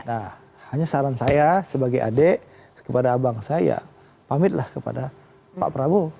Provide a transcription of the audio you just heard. nah hanya saran saya sebagai adik kepada abang saya ya pamitlah kepada pak prabowo